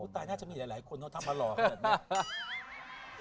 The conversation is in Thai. น่าจะมีหลายคนเขาทำมาหล่อขนาดนี้